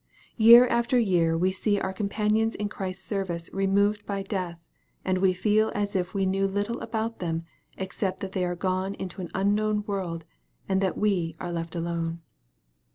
Year after year we see our com panions in Christ's service removed by death, and we feel as if we knew little about them, except that they are gone to an unknown world, and that we are left alone.